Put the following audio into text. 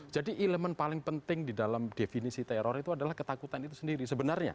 jadi elemen paling penting di dalam definisi teror itu adalah ketakutan itu sendiri sebenarnya